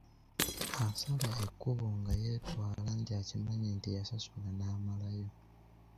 Asala ekkubo nga yeetwala anti akimanyi nti yasasula n'amalayo.